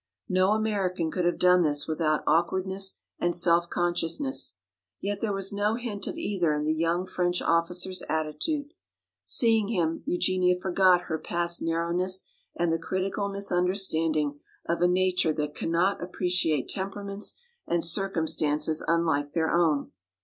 No American could have done this without awkwardness and self consciousness. Yet there was no hint of either in the young French officer's attitude. Seeing him, Eugenia forgot her past narrowness and the critical misunderstanding of a nature that cannot appreciate temperaments and circumstances unlike their own.